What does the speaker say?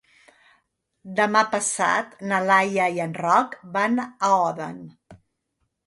Demà passat na Laia i en Roc van a Odèn.